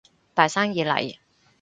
大生意嚟